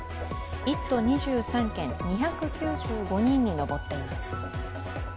１都２３県、２９５人に上っています。